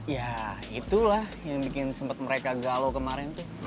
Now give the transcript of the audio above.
ya itulah yang bikin sempet mereka galau kemaren tuh